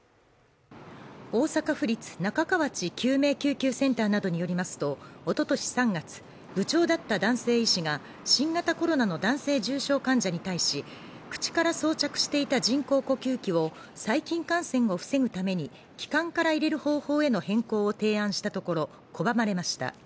大阪府立中河内救命救急センターなどによりますと、おととし３月、部長だった男性医師が新型コロナの男性重症患者に対し、口から装着していた人工呼吸器を細菌感染を防ぐために、気管から入れる方法への変更を提案したところ拒まれました。